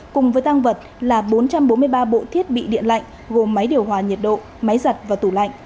cùng với tăng vật là bốn trăm bốn mươi ba bộ thiết bị điện lạnh gồm máy điều hòa nhiệt độ máy giặt và tủ lạnh